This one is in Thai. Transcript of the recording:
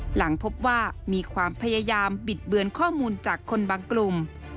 หลังพบว่ามีความพยายามบิดเบือนข้อมูลจากคนบางกลุ่ม